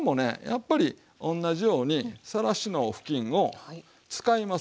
やっぱり同じようにさらしの布巾を使います。